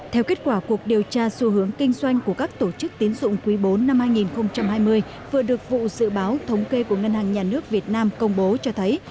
theo kết quả cuộc điều tra xu hướng kinh doanh của các tổ chức tín dụng quý bốn năm hai nghìn hai mươi vừa được vụ dự báo thống kê của ngân hàng nhà nước việt nam công bố cho thấy